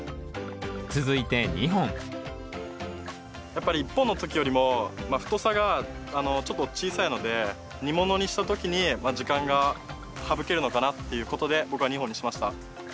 続いて２本やっぱり１本の時よりも太さがちょっと小さいので煮物にした時に時間が省けるのかなっていうことで僕は２本にしました。